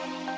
ya udah deh